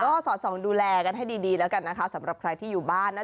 ก็สอดส่องดูแลกันให้ดีแล้วกันนะคะสำหรับใครที่อยู่บ้านนะ